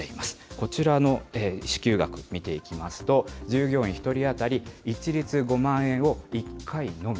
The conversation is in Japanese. こちらの支給額、見ていきますと、従業員１人当たり一律５万円を１回のみ。